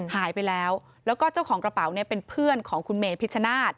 หายไปแล้วแล้วก็เจ้าของกระเป๋าเนี่ยเป็นเพื่อนของคุณเมพิชชนาธิ์